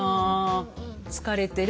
「疲れてる？」